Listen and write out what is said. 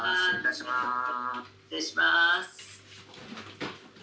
「失礼します」。